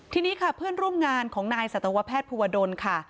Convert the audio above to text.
ทีนี้ค่ะเพื่อนร่วมงานของนายสัตวแพทย์ภูวดลค่ะ